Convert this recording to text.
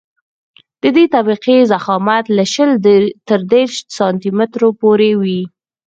د دې طبقې ضخامت له شل تر دېرش سانتي مترو پورې وي